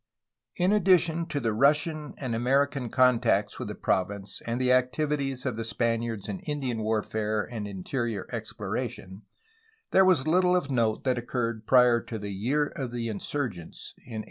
In addition to the Russian and American contacts with the province and the activities of the Spaniards in Indian warfare and interior exploration there was little of note that occurred prior to the "year of the insurgents'' in 1818.